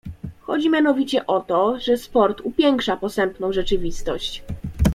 "Chodzi mianowicie o to, że sport upiększa posępną rzeczywistość."